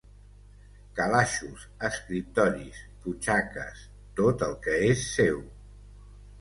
Calaixos, escriptoris, butxaques, tot el que és seu.